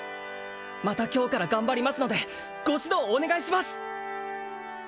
また今日から頑張りますのでご指導お願いします！